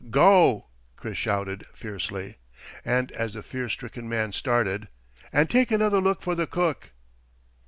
"Go!" Chris shouted, fiercely. And as the fear stricken man started, "And take another look for the cook!"